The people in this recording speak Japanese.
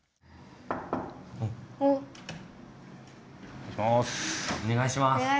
お願いします。